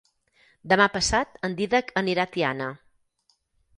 Demà passat en Dídac anirà a Tiana.